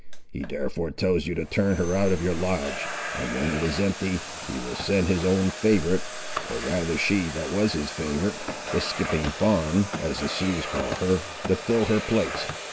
He therefore tells you to turn her out of your lodge, and when it is empty, he will send his own favourite, or rather she that was his favourite, the 'Skipping Fawn,' as the Siouxes call her, to fill her place.